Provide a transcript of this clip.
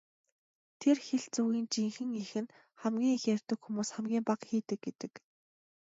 Тэр хэлц үгийн жинхэнэ эх нь "хамгийн их ярьдаг хүмүүс хамгийн бага хийдэг" гэдэг.